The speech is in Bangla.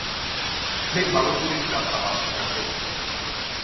আমি ভালো করেই জানতাম আপনি তা করবেন।